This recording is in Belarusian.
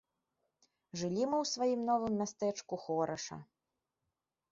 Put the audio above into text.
Жылі мы ў сваім новым мястэчку хораша.